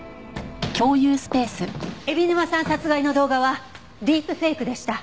海老沼さん殺害の動画はディープフェイクでした。